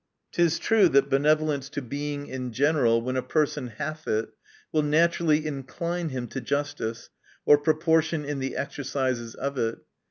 It is true, that benevolence to Being in general, when a person hath it, will naturally incline him to justice, or proportion in the exercises of it.